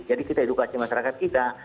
jadi kita edukasi masyarakat kita